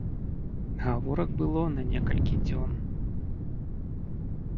Гаворак было на некалькі дзён.